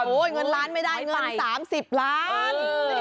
เงินล้านไม่ได้เงิน๓๐ล้าน